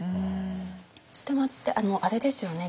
捨松ってあれですよね